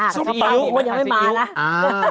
ยังไม่มานะ